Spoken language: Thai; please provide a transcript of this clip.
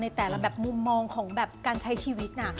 แต่ละแบบมุมมองของแบบการใช้ชีวิตน่ะ